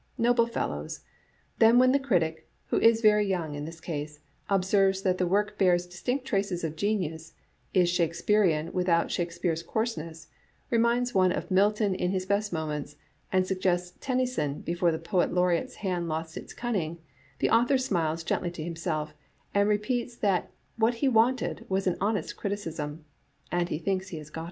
Noble fellows! Then when the critic, who is very young in this case, observes that the work bears distinct traces of genius, is Shakespearian without Shakespeare's coarseness, reminds one of Milton in his best moments, and suggests Tennyson before the Poet Laureate's hand lost its cunning, the author smiles gently to himself, and repeats that what he wanted was an honest criticism, and he thinks he has got it."